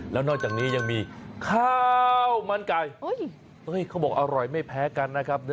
แล้วนอกจากนี้ยังมีข้าวมันไก่เขาบอกอร่อยไม่แพ้กันนะครับ